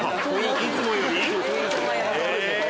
いつもよりも。